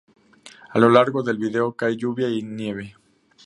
A lo largo del video, cae lluvia y nieve.